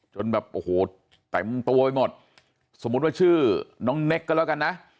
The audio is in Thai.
จนแบบโอ้โหเต็มตัวไปหมดสมมุติว่าชื่อน้องเน็กก็แล้วกันนะ